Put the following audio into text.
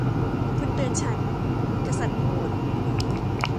'คุณเตือนฉัน ! ' กษัตริย์พูด